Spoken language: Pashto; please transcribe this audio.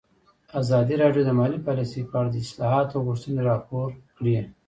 ازادي راډیو د مالي پالیسي په اړه د اصلاحاتو غوښتنې راپور کړې.